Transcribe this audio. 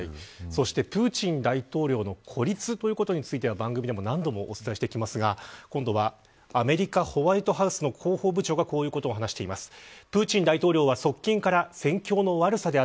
そして、プーチン大統領の孤立ということについては番組でも何度もお伝えしてきましたが今度はアメリカホワイトハウスの広報部長がこういうことを話しています。